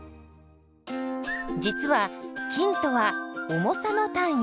実は「斤」とは「重さ」の単位。